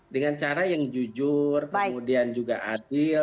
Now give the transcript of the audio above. dengan cara yang jujur kemudian juga adil